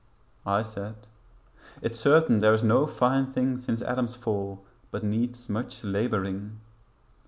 I said, 'It's certain there is no fine thing Since Adam's fall but needs much labouring.